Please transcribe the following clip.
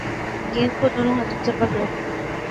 گیند کو دونوں ہاتھوں سے پکڑو